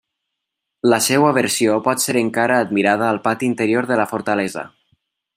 La seua versió pot ser encara admirada al pati interior de la fortalesa.